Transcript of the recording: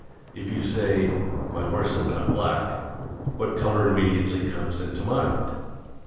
If you say, "My horse is not black," what color immediately comes into mind?